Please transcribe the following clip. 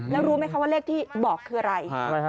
แล้วรู้ไหมคะว่าเลขที่บอกคืออะไรฮะ